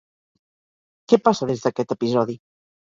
Què passa des d'aquest episodi?